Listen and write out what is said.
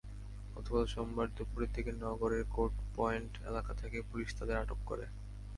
গতকাল সোমবার দুপুরের দিকে নগরের কোর্ট পয়েন্ট এলাকা থেকে পুলিশ তাঁদের আটক করে।